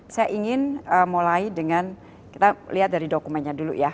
saya ingin mulai dengan kita lihat dari dokumennya dulu ya